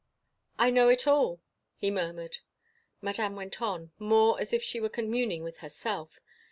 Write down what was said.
"I know it all," he murmured. Madame went on, more as if she were communing with herself.